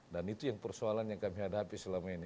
dan itu yang persoalan yang kami hadapi selama ini